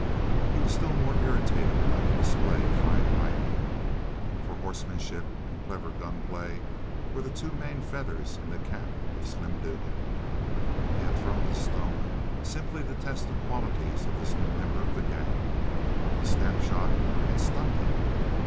He was still more irritated by the display of fine riding. For horsemanship and clever gunplay were the two main feathers in the cap of Slim Dugan. He had thrown the stone simply to test the qualities of this new member of the gang; the snapshot had stunned him.